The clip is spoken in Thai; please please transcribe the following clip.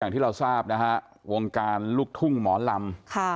ที่เราทราบนะฮะวงการลูกทุ่งหมอลำ